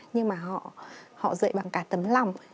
nhưng mà họ dạy bằng cả tấm lòng